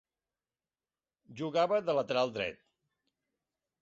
Jugava de lateral dret.